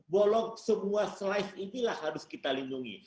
bulog semua slice inilah harus kita lindungi